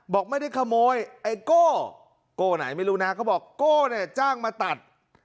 บอกไม่ได้ขโมยไอ้โก้โก้ไหนไม่รู้นะเขาบอกโก้เนี่ยจ้างมาตัด